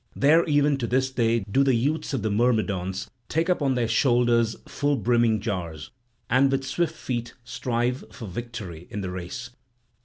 There even to this day do the youths of the Myrmidons take up on their shoulders full brimming jars, and with swift feet strive for victory in the race.